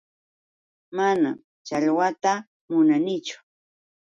Manam challwata munanichu.